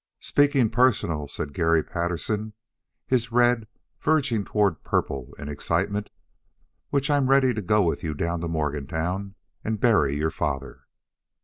"Speakin' personal," said Garry Patterson, his red verging toward purple in excitement, "which I'm ready to go with you down to Morgantown and bury your father."